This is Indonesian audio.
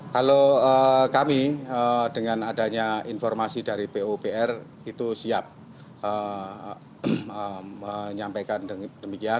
kalau kami dengan adanya informasi dari pupr itu siap menyampaikan demikian